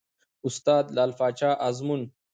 استاد : لعل پاچا ازمون